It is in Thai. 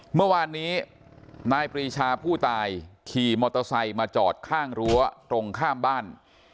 เมื่อวานนี้นายปรีชาผู้ตายขี่มอเตอร์ไซค์มาจอดข้างรั้วตรงข้ามบ้าน